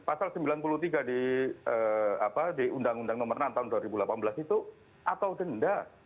pasal sembilan puluh tiga di undang undang nomor enam tahun dua ribu delapan belas itu atau denda